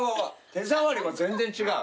手触りも全然違う。